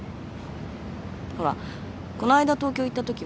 ほらこの間東京行ったときはさ